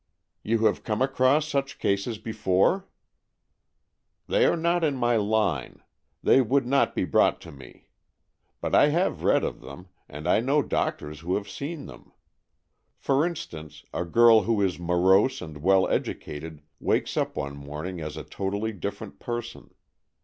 "You have come across such cases before ?"" They are not in my line. They would not be brought to me. But I have read of them, and I know doctors who have seen them. For instance, a girl who is morose and well educated wakes up one morning as a totally different person.